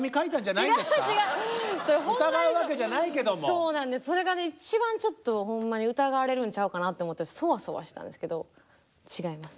そうなんですそれがね一番ちょっとほんまに疑われるんちゃうかなって思ってそわそわしたんですけど違います。